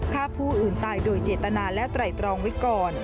ฆ่าผู้อื่นตายโดยเจตนาและไตรตรองไว้ก่อน